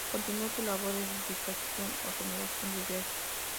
Continuó su labor de edificación o renovación de iglesias.